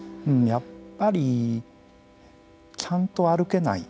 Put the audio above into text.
やっぱりちゃんと歩けない。